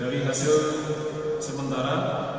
dari hasil sementara